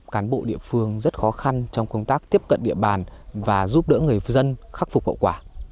cán bộ địa phương rất khó khăn trong công tác tiếp cận địa bàn và giúp đỡ người dân khắc phục hậu quả